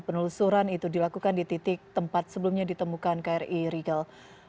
penelusuran itu dilakukan di titik tempat sebelumnya ditemukan kri rigel